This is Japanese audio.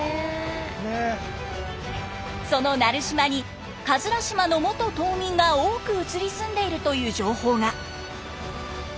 その奈留島に島の元島民が多く移り住んでいるという情報が。